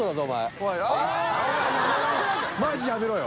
マジやめろよ！